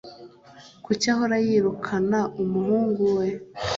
Kuki ahora yirukana umuhungu we?